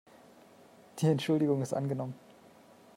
Die Entschuldigung ist angenommen.